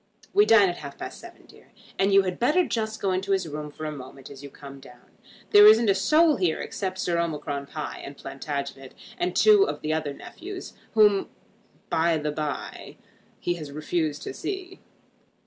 We dine at half past seven, dear: and you had better just go into his room for a moment as you come down. There isn't a soul here except Sir Omicron Pie, and Plantagenet, and two of the other nephews, whom, by the bye, he has refused to see.